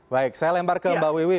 baik saya lempar ke mbak wiwi